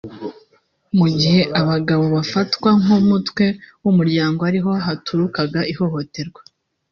mu gihe abagabo bafatwaga nk’umutwe w’umuryango ariho haturukaga ihohoterwa